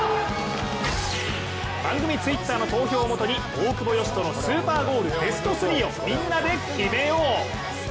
番組Ｔｗｉｔｔｅｒの投票をもとに大久保嘉人のスーパーゴールベスト３をみんなで決めよう。